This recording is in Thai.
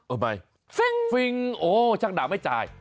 เออไปฟิงโอ้ช่างด่ามไม่จ่าย